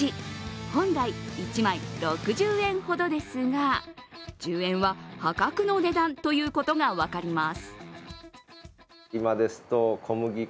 本来１枚６０円ほどですが、１０円は破格の値段ということが分かります。